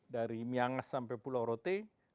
dari miangas sampai pulau rote